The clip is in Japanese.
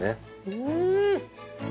うん！